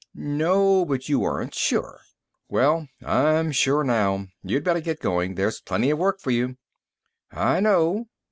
"No, but you weren't sure." "Well, I'm sure now. You'd better get going. There's plenty of work for you." "I know."